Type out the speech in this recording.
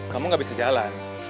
kamu gak bisa jalan